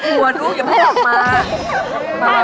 กลัวลูกหยุดบอกมา